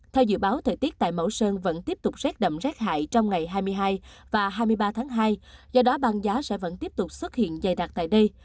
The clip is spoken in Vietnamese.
theo dự báo thời tiết tại mẫu sơn vẫn tiếp tục rét đậm rét hại trong ngày hai mươi hai và hai mươi ba tháng hai do đó băng giá sẽ vẫn tiếp tục xuất hiện dày đặc tại đây